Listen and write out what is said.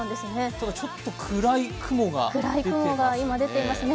ただちょっと暗い雲が出ていますね。